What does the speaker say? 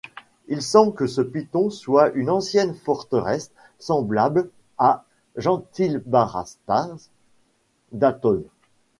Il semble que ce piton soit une ancienne forteresse semblable à Jentilbaratza d'Ataun.